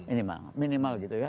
ini minimal gitu ya